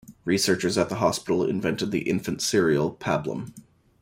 Researchers at the hospital invented the infant cereal, Pablum.